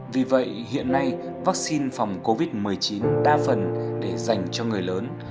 vì vậy hiện nay vaccine phòng covid một mươi chín đa phần để dành cho người lớn